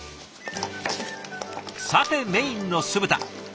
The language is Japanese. さてメインの酢豚。